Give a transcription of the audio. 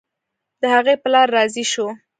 د هغې پلار راضي شو.